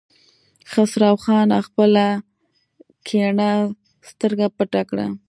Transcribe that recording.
خسرو خان خپله کيڼه سترګه پټه کړه.